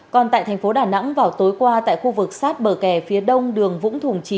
còn tại thành phố đà nẵng vào tối qua tại khu vực sát bờ kè phía đông đường vũng thùng chín